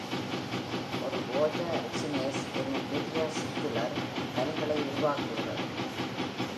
ஒரு ரோஜா அச்சினேஸ் எனும் வெடியா சிற்றுலர் கனிகளை உருவாக்குகிறது.